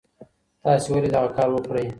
تاسي ولي دغه کار وکړی؟